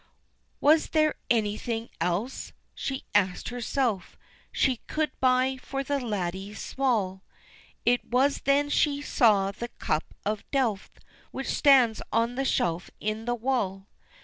"Was there anything else!" she asked herself, "She could buy for the laddie small?" It was then that she saw the cup of delf Which stands on the shelf in the wall.